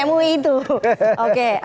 mui itu oke